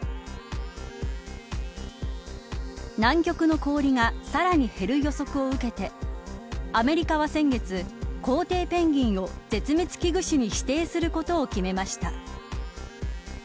南極の氷がさらに減る予測を受けてアメリカは先月コウテイペンギンを絶滅危惧種に指定することを決めました。